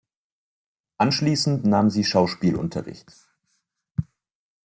Anschließend nahm sie Schauspielunterricht.